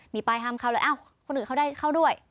มีป้ายห้ามเข้าเลยอ้าวคนอื่นเขาได้เข้าด้วย